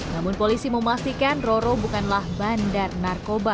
namun polisi memastikan roro bukanlah bandar narkoba